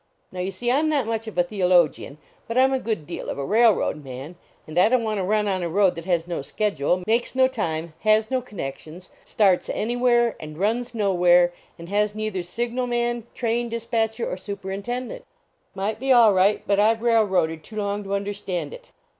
Now, you see, I m not much of a theologian, but I m a good deal of a rail road man, and I don t want to run on a road that has no schedule, makes no time, has no connections, starts anywhere and runs no where, and has neither signal man, train dis 202 THE BRAKKMAX AT CHURCH patchcr or superintendent. Might be all right, but I ve railroaded too long to under stand it."